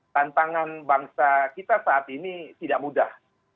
tantangan bangsa kita saat ini tidak mudah